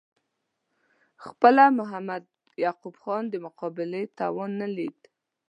خپله محمد یعقوب خان د مقابلې توان نه لید.